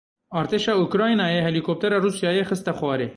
Artêşa Ukraynayê helîkoptera Rûsyayê xiste xwarê.